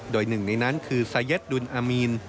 โดยหนึ่งในนั้นคือซาเย็ดดุลอามีน